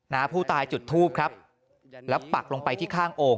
ผู้ตายจุดทูปครับแล้วปักลงไปที่ข้างโอ่ง